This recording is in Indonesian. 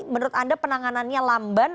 menurut anda penanganannya lamban